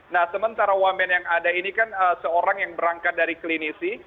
nah sementara wamen yang ada ini kan seorang yang berangkat dari klinisi